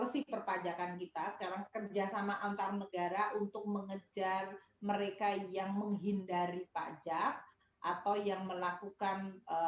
secara kerjasama antar negara untuk mengejar mereka yang menghindari pajak atau yang melakukan